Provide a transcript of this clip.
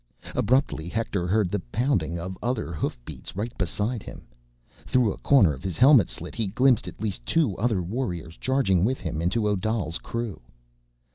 Abruptly, Hector heard the pounding of other hoofbeats right beside him. Through a corner of his helmet slit he glimpsed at least two other warriors charging with him into Odal's crew.